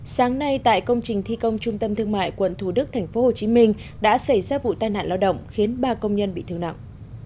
sáng nay tại công trình thi công trung tâm thương mại quận thủ đức tp hcm đã xảy ra vụ tai nạn lao động khiến ba công nhân bị thương nặng